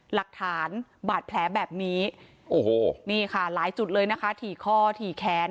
หลักฐานบาดแผลแบบนี้